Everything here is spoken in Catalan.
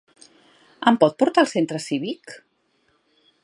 Em pot portar al centre cívic?